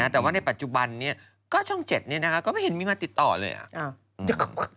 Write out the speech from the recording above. แต่ว่าในปัจจุบันเนี่ยก็ช่องเจ็ดเนี่ยนะคะก็ไม่เห็นมีมาติดต่อเลยอ่ะ